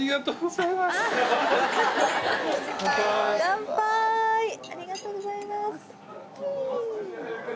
カンパイありがとうございます。